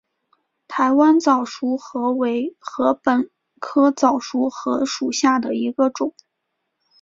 台湾早熟禾为禾本科早熟禾属下的一个种。